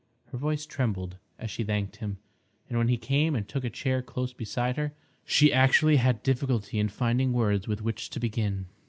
Her voice trembled as she thanked him, and when he came and took a chair close beside her she actually had difficulty in finding words with which to begin.